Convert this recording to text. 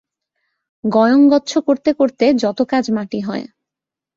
গয়ং গচ্ছ করতে করতে যত কাজ মাটি হয়।